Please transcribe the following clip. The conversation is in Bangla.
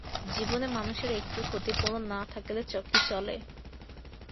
জীবনে মানুষের এটুকু ক্ষতি পূরণ না থাকিলে কি চলে!